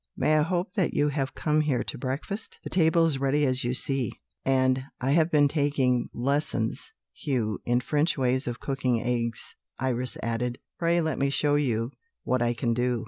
May I hope that you have come here to breakfast? The table is ready as you see" "And I have been taking lessons, Hugh, in French ways of cooking eggs," Iris added; "pray let me show you what I can do."